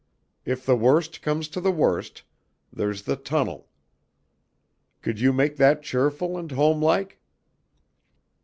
If the worst comes to the worst, there's the tunnel. Could you make that cheerful and homelike?"